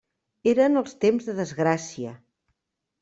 Eren els temps de desgràcia.